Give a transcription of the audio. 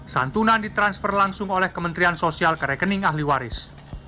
santunan ditransfer langsung oleh kementerian sosial ke rekening ahli waris